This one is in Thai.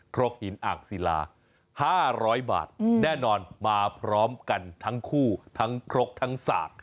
รกหินอ่างศิลา๕๐๐บาทแน่นอนมาพร้อมกันทั้งคู่ทั้งครกทั้งสาก